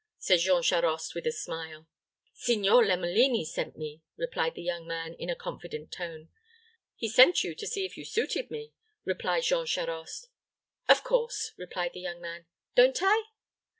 said Jean Charost, with a smile. "Signor Lomelini sent me," replied the young man, in a confident tone. "He sent you to see if you suited me," replied Jean Charost. "Of course," replied the young man. "Don't I?"